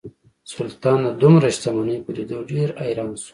سلطان د دومره شتمنۍ په لیدو ډیر حیران شو.